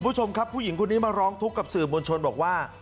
ผู้ชมครับผู้หญิงมร้องทุกกับสื่อบวลชนบอกว่า